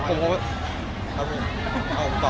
ต่อนะต่อ